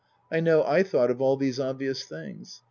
I know I thought of all these obvious things.